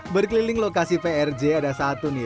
berkeliling lokasi prj ada satu nih